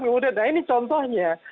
kemudian nah ini contohnya